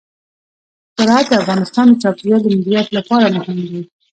زراعت د افغانستان د چاپیریال د مدیریت لپاره مهم دي.